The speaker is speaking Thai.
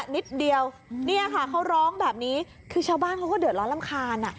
นิดเดียวนี่ค่ะเขาร้องแบบนี้ที่ชาวบ้านเขาก็เดือดเลาะลำคาญอ่ะ